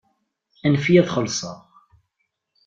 Anef-iyi ad xelṣeɣ.